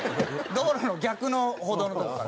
道路の逆の歩道のとこから。